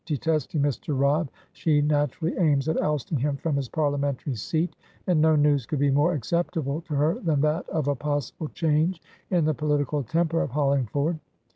Detesting Mr. Robb, she naturally aims at ousting him from his Parliamentary seat, and no news could be more acceptable to her than that of a possible change in the political temper of Hollingford.